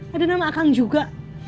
ada nama akang juga